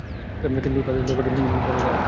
কিন্তু তাদের তরবারি বড় ধারালো।